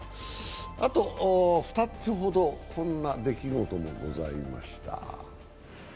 あと２つほど、こんな出来事もございました。